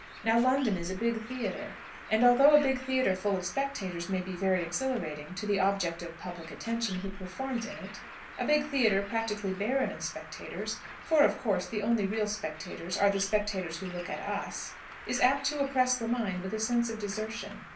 Now London is a big theatre. And although a big theatre full of spectators may be very exhilarating to the object of public attention who performs in it, a big theatre, practically barren of spectators for, of course, the only real spectators are the spectators who look at us is apt to oppress the mind with a sense of desertion.